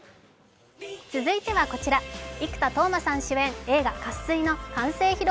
続いてはこちら、生田斗真さん主演映画「渇水」の完成披露